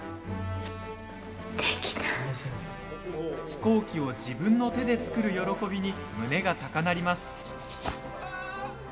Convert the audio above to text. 飛行機を自分の手で作る喜びに胸が高鳴ります。